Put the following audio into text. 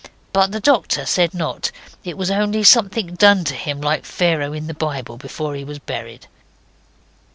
But the doctor said not. It was only something done to him like Pharaoh in the Bible afore he was buried.